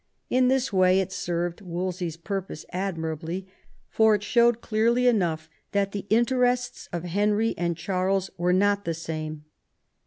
In this way it served Wolsey's purpose admirably, for it showed clearly enough that the interests of Henry and Charles were not the same.